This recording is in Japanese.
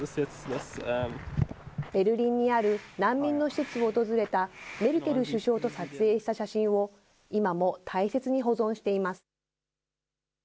ベルリンにある難民の施設を訪れたメルケル首相と撮影した写真を、今も大切にしています。